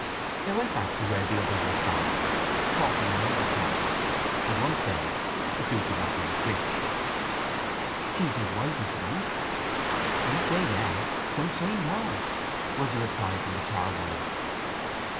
They went back to where the others were standing, talking in undertones: and one said—Sue could not hear which—"She's his wife, I suppose?" "Some say Yes: some say No," was the reply from the charwoman.